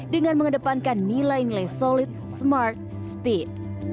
dengan mengedepankan nilai nilai solid smart speed